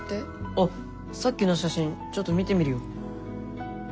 あっさっきの写真ちょっと見てみるよ。